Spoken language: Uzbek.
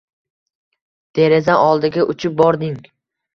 Deraza oldiga uchib bording.